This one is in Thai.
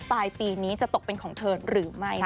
ปลายปีนี้จะตกเป็นของเธอหรือไม่